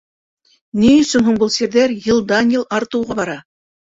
— Ни өсөн һуң был сирҙәр йылдан-йыл артыуға бара?